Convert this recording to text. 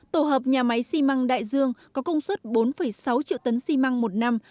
tổ hợp nhà máy xi măng đại dương có công suất bốn sáu triệu tấn xi măng một năm